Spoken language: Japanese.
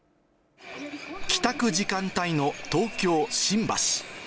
帰宅時間帯の東京・新橋。